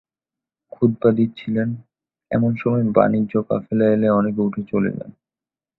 খুতবা দিচ্ছিলেন, এমন সময় বাণিজ্য কাফেলা এলে অনেকে উঠে চলে যান।